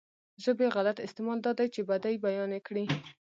ژبې غلط استعمال دا دی چې بدۍ بيانې کړي.